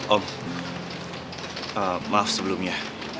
om maaf sebelumnya